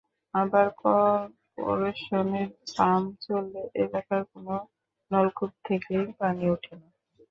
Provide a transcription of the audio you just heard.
আবার করপোরেশনের পাম্প চললে এলাকার কোনো নলকূপ থেকেই পানি ওঠে না।